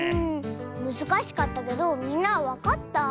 むずかしかったけどみんなはわかった？